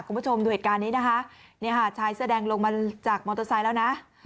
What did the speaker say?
คุณผู้ชมดูเหตุการณ์นี้นะคะเนี่ยค่ะชายเสื้อแดงลงมาจากมอเตอร์ไซค์แล้วนะ